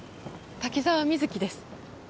滝沢美月です。